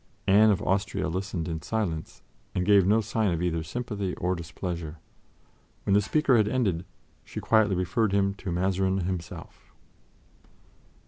Anne of Austria listened in silence and gave no sign of either sympathy or displeasure. When the speaker had ended, she quietly referred him to Mazarin himself.